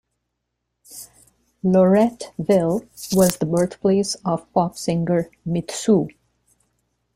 Loretteville was the birthplace of pop singer Mitsou.